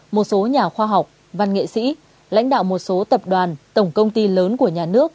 một số nhà khoa học văn nghệ sĩ lãnh đạo một số tập đoàn tổng công ty lớn của nhà nước